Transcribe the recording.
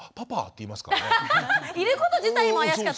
居ること自体も。